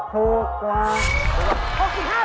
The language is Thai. ถูกกว่าถูกกว่า